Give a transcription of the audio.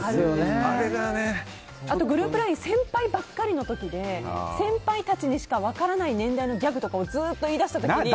ＬＩＮＥ先輩ばっかりの時で先輩たちにしか分からない年代のギャグとかをずっと言い出した時に。